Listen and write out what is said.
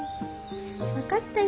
分かったよ